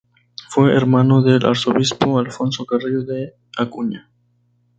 Fue hermano del arzobispo Alfonso Carrillo de Acuña.